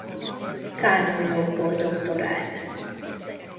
Kánonjogból doktorált.